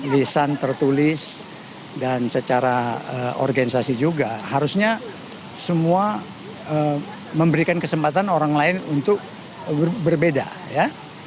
lisan tertulis dan secara organisasi juga harusnya semua memberikan kesempatan orang lain untuk berbeda ya